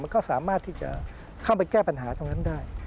ก็สามารถที่จะเข้าไปแก้ปัญหาตรงนั้นได้